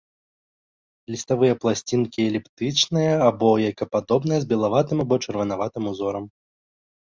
Ліставыя пласцінкі эліптычныя або яйкападобныя, з белаватым або чырванаватым узорам.